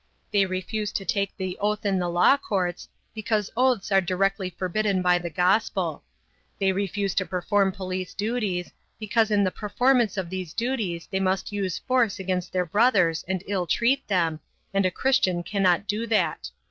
They refuse to take the oath in the law courts, because oaths are directly forbidden by the Gospel. They refuse to perform police duties, because in the performance of these duties they must use force against their brothers and ill treat them, and a Christian cannot do that.